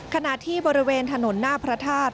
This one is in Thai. ขณะที่บริเวณถนนหน้าพระธาตุ